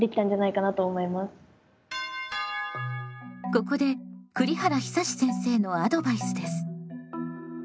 ここで栗原久先生のアドバイスです。